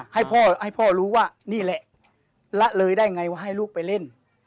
ให้พ่อให้พ่อรู้ว่านี่แหละละเลยได้ไงว่าให้ลูกไปเล่น